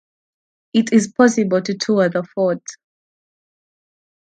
It is possible to tour the fort.